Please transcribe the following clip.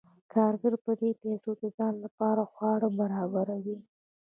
کارګر په دې پیسو د ځان لپاره خواړه برابروي